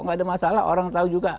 nggak ada masalah orang tahu juga